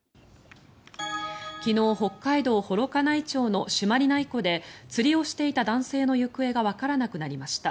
昨日北海道幌加内町の朱鞠内湖で釣りをしていた男性の行方がわからなくなりました。